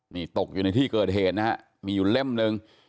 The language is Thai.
นี่ตกอยู่ในที่เกิดเหตุนะฮะมีอยู่เล่มหนึ่ง